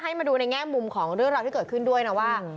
มาดูในแง่มุมของเรื่องราวที่เกิดขึ้นด้วยนะว่า